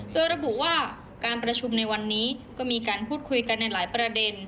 โดยระบุว่าการประชุมในวันนี้ก็มีการพูดคุยกันในหลายประเด็น